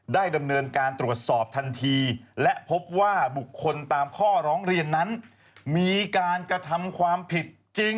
ได้ดำเนินการตรวจสอบทันทีและพบว่าบุคคลตามข้อร้องเรียนนั้นมีการกระทำความผิดจริง